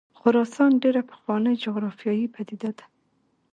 خراسان ډېره پخوانۍ جغرافیایي پدیده ده.